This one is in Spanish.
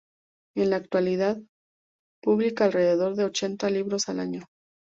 En la actualidad, publica alrededor de ochenta libros al año.